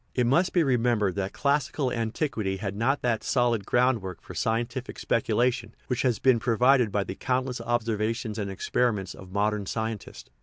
It must be re membered that classical antiquity had not that solid groundwork for scientific speculation which has been provided by the countless observations and experiments of modern scientists.